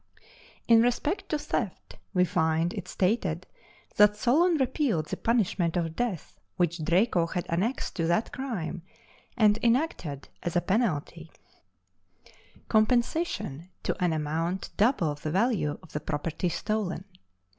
In respect to theft, we find it stated that Solon repealed the punishment of death which Draco had annexed to that crime, and enacted, as a penalty, compensation to an amount double the value of the property stolen.